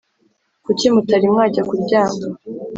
kuki mutari mwajya kuryama